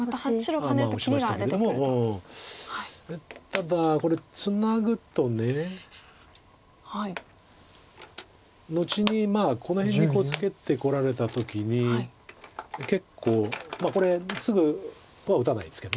ただこれツナぐと。後にこの辺にツケてこられた時に結構これすぐは打たないですけど。